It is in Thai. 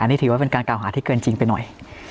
นี่ถือว่าเป็นการกล่าวหาที่เกินจริงไปหน่อย